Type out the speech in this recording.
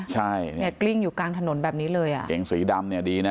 ใช่เนี่ยกลิ้งอยู่กลางถนนแบบนี้เลยอ่ะเกงสีดำเนี่ยดีนะ